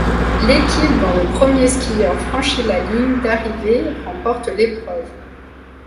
L’équipe dont le premier skieur franchit la ligne d’arrivée remporte l’épreuve.